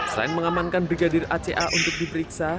selain mengamankan brigadir aca untuk diperiksa